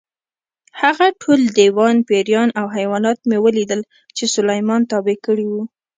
هغه ټول دیوان، پېریان او حیوانات مې ولیدل چې سلیمان تابع کړي وو.